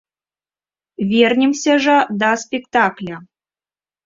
Вернемся жа да спектакля.